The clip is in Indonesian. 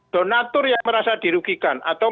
donatur yang merasa dirugikan atau